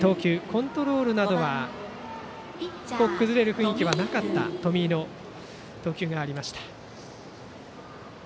コントロールなどは崩れる雰囲気はなかった冨井の投球がありました。